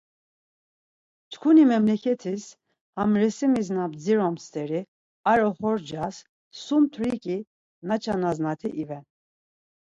Çkuni memleketiz ham resimiz na bdziromt steri ar oxorcaz sum t̆rik̆i naçanaznati iven.